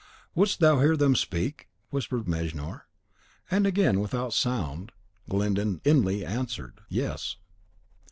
"Wouldst thou hear them speak?" whispered Mejnour; and again, without sound, Glyndon inly answered, "Yes!"